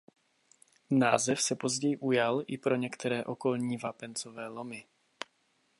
Název se později ujal i pro některé okolní vápencové lomy.